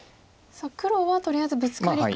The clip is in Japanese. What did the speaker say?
さあ黒はとりあえずブツカリか。